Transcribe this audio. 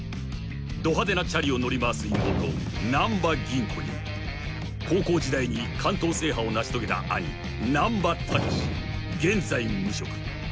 ［ど派手なチャリを乗り回す妹難破吟子に高校時代に関東制覇を成し遂げた兄難破猛現在無職］